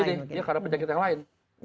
karena penyakit yang lain